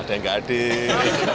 ada yang gak hadir